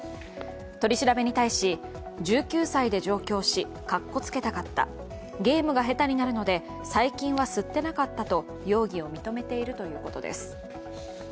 取り調べに対し、１９歳でかっこつけたかったゲームが下手になるので最近は吸っていなかったと、容疑を認めているということです。